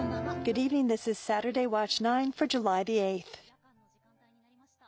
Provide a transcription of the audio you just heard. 夜間の時間帯になりました。